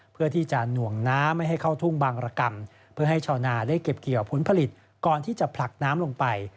เพื่อที่จะหน่วงน้ำไม่ให้เข้าทุ่งบางรกรรมเพื่อให้ชาวนาได้เก็บเกี่ยวผลผลิตก่อนที่จะผลักน้ำลงไป